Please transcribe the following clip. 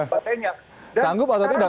dan sebagainya sanggup atau tidak